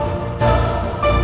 masih masih yakin